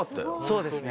そうですね。